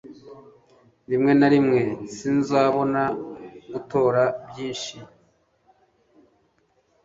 rimwe na rimwe, sinzabona gutora byinshi